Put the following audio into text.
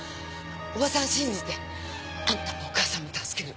おばさん信じて！あんたもお母さんも助ける！